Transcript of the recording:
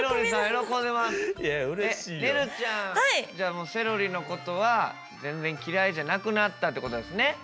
ねるちゃんじゃあもうセロリのことは全然嫌いじゃなくなったということですね？